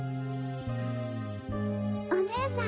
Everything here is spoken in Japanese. お姉さん。